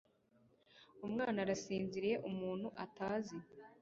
Umwana arasinziriye umuntu atazi